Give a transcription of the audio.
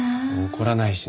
怒らないしなあ。